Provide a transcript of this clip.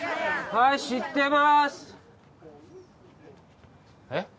はい知ってますえっ？